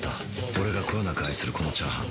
俺がこよなく愛するこのチャーハン